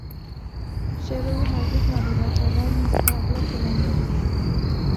شعر او هرگز ملالت آور نیست و اغلب دلانگیز است.